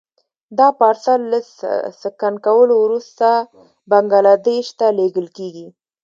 دا پارسل له سکن کولو وروسته بنګلادیش ته لېږل کېږي.